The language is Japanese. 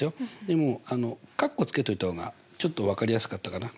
でも括弧つけといた方がちょっとわかりやすかったかな。